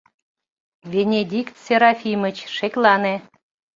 — Венедикт Серафимыч, шеклане!